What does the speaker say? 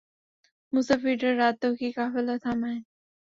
মুসাফিররা রাতেও কি কাফেলা থামায়?